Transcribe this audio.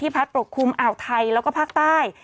ปกคลุมอาวุธไทยแล้วก็ภาคใต้